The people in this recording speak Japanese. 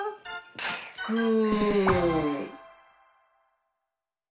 グー！